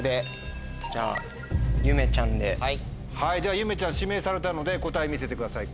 ではゆめちゃん指名されたので答え見せてください